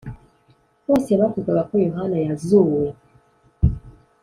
Bose bavugaga ko Yohana yazuwe